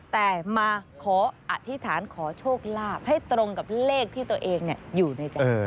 แต่มาขออธิษฐานขอโชคลาภให้ตรงกับเลขที่ตัวเองอยู่ในใจ